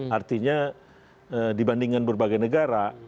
artinya dibandingkan berbagai negara